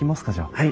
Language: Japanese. はい。